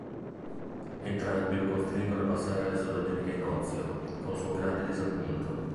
Entrambi lo costringono a passare le sue domeniche in ozio, con suo grande disappunto.